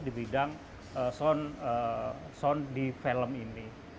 di bidang sound di film ini